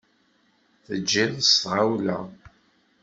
Tejjiḍ s tɣawla.